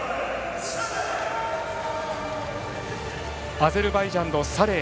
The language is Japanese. アゼルバイジャンのサレイ。